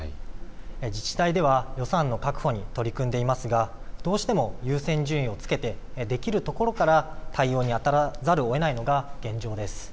自治体では予算の確保に取り組んでいますが、どうしても優先順位をつけてできるところから対応にあたらざるをえないのが現状です。